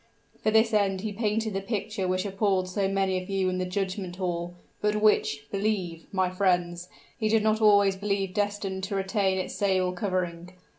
For this end he painted the picture which appalled so many of you in the judgment hall, but which, believe, my friends, he did not always believe destined to retain its sable covering.